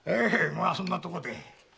まあそんなとこで。